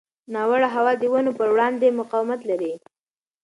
ناوړه هوا د ونو پر وړاندې مقاومت لري.